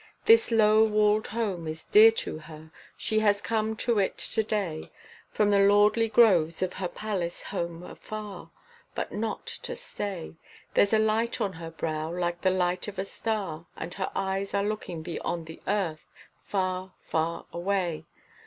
This low walled home is dear to her, she has come to it to day From the lordly groves of her palace home afar, But not to stay; there's a light on her brow like the light of a star, And her eyes are looking beyond the earth, far, far away.